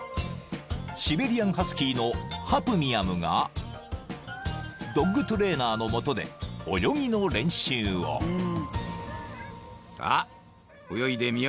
［シベリアンハスキーのハプミアムがドッグトレーナーのもとで泳ぎの練習を］さあ。